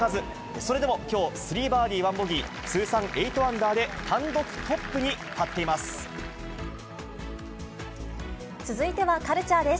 それでもきょう３バーディー、１ボギー、通算８アンダーで単独トップに立っています。